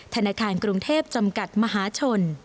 ธนาคารกรุงเทพจำกัดมหาชน